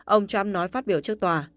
ông trump nói phát biểu trước tòa